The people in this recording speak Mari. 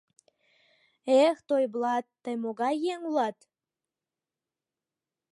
Эх, Тойблат, тый могай еҥ улат?